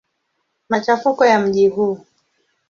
Machafuko ya mji huu.